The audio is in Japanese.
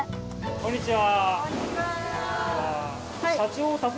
こんにちは。